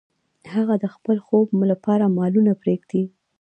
هغه د خپل خوب لپاره مالونه پریږدي.